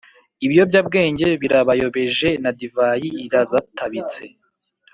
ibiyobyabwenge birabayobeje na divayi irabatabitse,